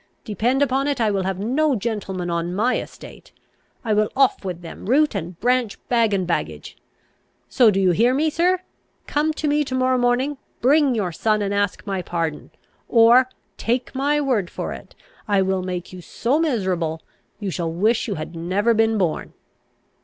Depend upon it, I will have no gentlemen on my estate! I will off with them, root and branch, bag and baggage! So do you hear, sir? come to me to morrow morning, bring your son, and ask my pardon; or, take my word for it, I will make you so miserable, you shall wish you had never been born."